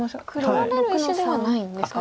取られる石ではないんですか右下。